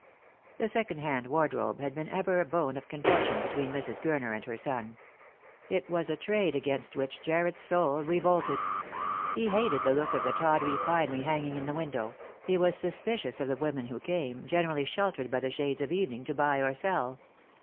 The second hand wardrobe had been ever a bone of conten tion between Mrs. Gurner and her son. It was a trade against ■which Jarred's soul revolted. He hated the look of the tawdry finery hanging in the window; he was suspicious of the women •who came, generally sheltered by the shades of evening, to buy or sell.